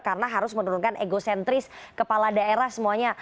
karena harus menurunkan egocentris kepala daerah semuanya